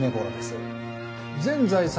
全財産